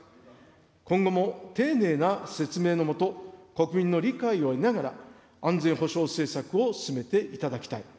今後も丁寧な説明の下、国民の理解を得ながら、安全保障政策を進めていただきたい。